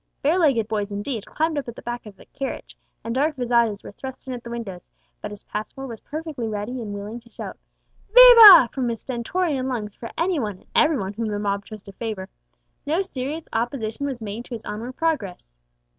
Bare legged boys, indeed, climbed up at the back of the carriage, and dark visages were thrust in at the windows; but as Passmore was perfectly ready and willing to shout viva from his stentorian lungs for any one and every one whom the mob chose to favour, no serious opposition was made to his onward progress.